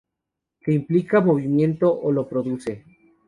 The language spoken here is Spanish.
Que implica movimiento o lo produce.